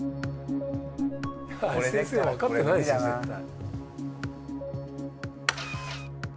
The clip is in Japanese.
林先生分かってないですよ絶対。